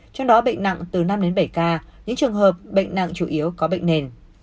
trong đó bệnh nặng từ năm đến bảy ca những trường hợp bệnh nặng chủ yếu có bệnh nền